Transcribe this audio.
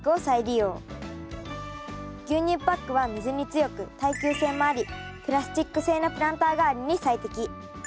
牛乳パックは水に強く耐久性もありプラスチック製のプランター代わりに最適。